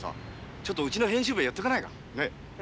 ちょっとうちの編集部へ寄っていかないか？